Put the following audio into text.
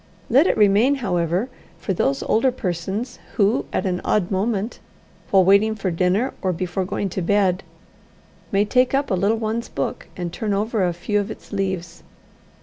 Let it remain, however, for those older persons who at an odd moment, while waiting for dinner, or before going to bed, may take up a little one's book, and turn over a few of its leaves.